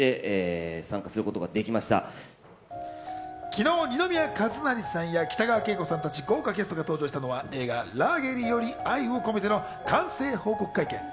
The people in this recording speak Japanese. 昨日、二宮和也さんや北川景子さんたち豪華キャストが登場したのは、映画『ラーゲリより愛を込めて』の完成報告会見。